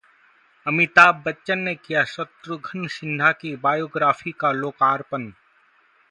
अमिताभ बच्चन ने किया शत्रुघ्न सिन्हा की बायोग्राफी का लोकार्पण